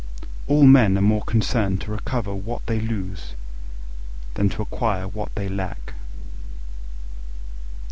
All men are more concerned to recover what they lose than to acquire what they lack.